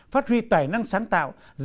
phát huy tài năng sáng tạo